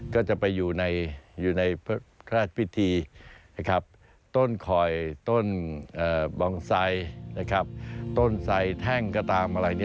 ก็จะไปอยู่ในแพร่พิธีต้นคอยต้นบองไซด์ต้นไซด์แท่งกระตามอะไรอย่างนี้